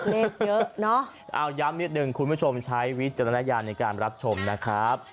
เลขเยอะเนอะเอาย้ำนิดนึงคุณผู้ชมใช้วิจารณญาณในการรับชมนะครับ